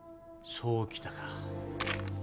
そうきたか。